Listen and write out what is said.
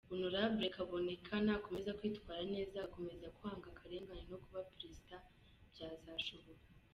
hon Kaboneka nakomeza kwitwara neza agakomeza kwanga akarengane no kuba perezida byazashoboka.